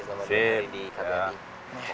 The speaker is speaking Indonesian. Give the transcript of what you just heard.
selamat berada di kabupaten